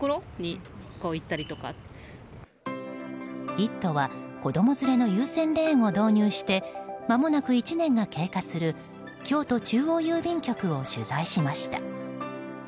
「イット！」は子供連れの優先レーンを導入してまもなく１年が経過する京都中央郵便局を取材しました。